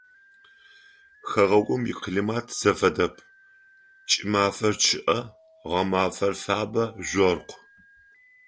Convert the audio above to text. Хэгъэгум иклимат зэфэдэп: кӏымафэр чъыӏэ, гъэмафэр фабэ, жъоркъ.